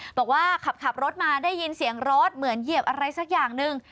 บอกว่าขับรถมาได้ยินเสียงรถเหมือนเหยียบอะไรสักอย่างหนึ่ง